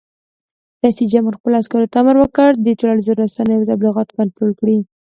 رئیس جمهور خپلو عسکرو ته امر وکړ؛ د ټولنیزو رسنیو تبلیغات کنټرول کړئ!